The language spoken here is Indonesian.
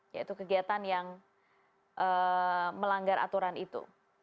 yaitu kegiatan yang melanggar aturan itu